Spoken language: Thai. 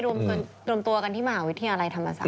รวมตัวกันที่มหาวิทยาลัยธรรมศาส